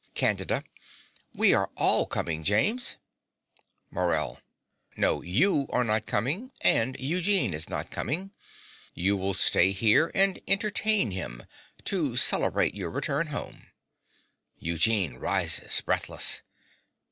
CANDIDA. We are all coming, James. MORELL. No: you are not coming; and Eugene is not coming. You will stay here and entertain him to celebrate your return home. (Eugene rises, breathless.)